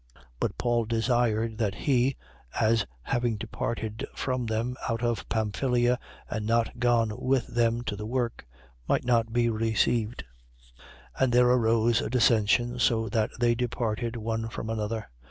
15:38. But Paul desired that he (as having departed from them out of Pamphylia and not gone with them to the work) might not be received. 15:39. And there arose a dissension so that they departed one from another.